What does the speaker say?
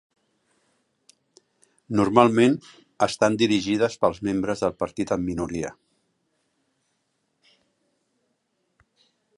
Normalment estan dirigides pels membres del partit en minoria.